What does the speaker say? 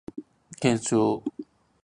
検証